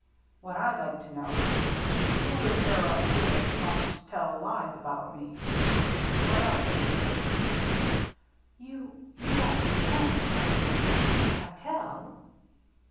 What I'd like to know is, who is there up here that wants to tell lies about me ? What else have you heard ?" "You — you won't be mad, Joe, if — if I tell?"